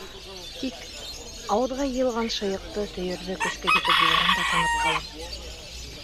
Тик... ауыҙға йыйылған шайыҡты, төйөрҙө көскә йотоп ебәрәм дә тынып ҡалам.